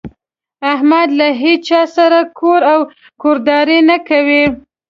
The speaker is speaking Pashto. احمد له هيچا سره کور او کورداري نه کوي.